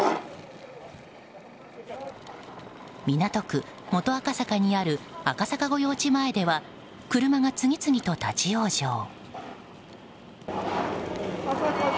港区元赤坂にある赤坂御用地前では車が次々と立ち往生。